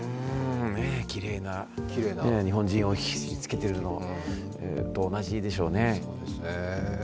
きれいな日本人を引き付けているのと同じでしょうね。